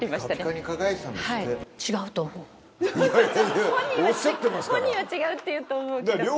本人は「違う」って言うと思うけど。